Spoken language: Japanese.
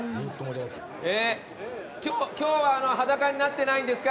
今日は裸になってないんですか？